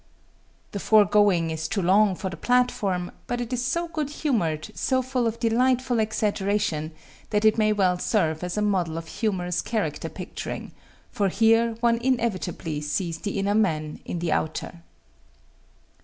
The foregoing is too long for the platform, but it is so good humored, so full of delightful exaggeration, that it may well serve as a model of humorous character picturing, for here one inevitably sees the inner man in the outer.